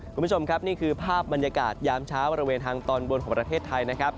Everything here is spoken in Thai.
คุณผู้ชมครับนี่คือภาพบรรยากาศยามเช้าบริเวณทางตอนบนของประเทศไทยนะครับ